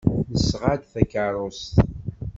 Nesɣa-d takeṛṛust.